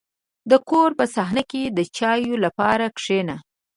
• د کور په صحنه کې د چایو لپاره کښېنه.